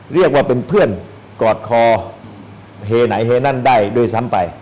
เรียกว่าเป็นเพื่อนกอดคอเฮไหนเฮนั่นได้ด้วยซ้ำไป